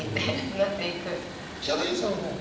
ヒャダインさんはどう？